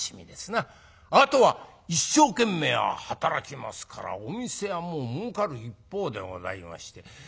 あとは一生懸命働きますからお店はもうもうかる一方でございまして。